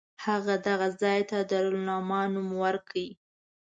هغه دغه ځای ته دارالامان نوم ورکړ.